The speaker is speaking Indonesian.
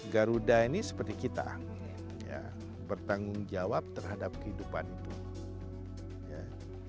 garuda ini seperti kita bertanggung jawab terhadap kehidupan itu